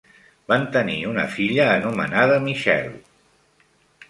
Van tenir una filla anomenada Michelle.